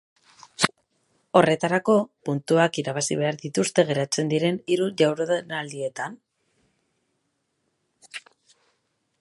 Horretarako, puntuak irabazi behar dituzte geratzen diren hiru jardunaldietan.